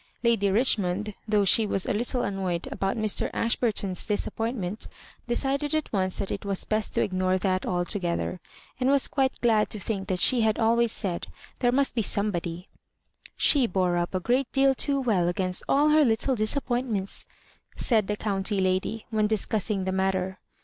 Lady Kichmond, though she was a little annoyed about Mr. Ashburton's dis appointment, decided at once that it was best to ignore that altogether, and was quite glad to think that she had always said there must be somebody. ^" She bore up a great deal too weU against all her little disappointments," said the county lady, when discussing the matter.